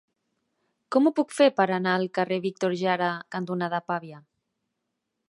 Com ho puc fer per anar al carrer Víctor Jara cantonada Pavia?